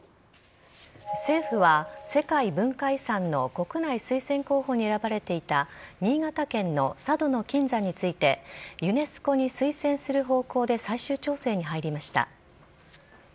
政府は世界文化遺産の国内推薦候補に選ばれていた新潟県の佐渡島の金山についてユネスコに推薦する方向で最終調整に入りました。